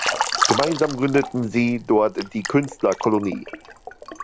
Gemeinsam gründeten sie dort die Künstlerkolonie.